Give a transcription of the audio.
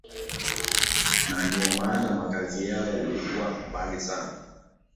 na ndio maana makazi yao yalikuwa mbalimbali Sana